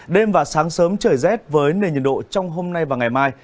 đêm và sáng sớm trời rét với nền nhiệt độ trong hôm nay và ngày mai